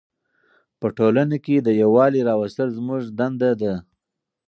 په ټولنه کې د یووالي راوستل زموږ دنده ده.